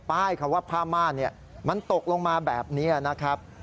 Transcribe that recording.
คำว่าผ้าม่านมันตกลงมาแบบนี้นะครับ